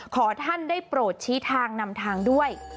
ขอท่านได้โปรดชี้ทางนำทางด้วย